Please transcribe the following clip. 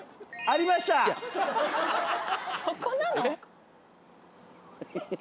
そこなの？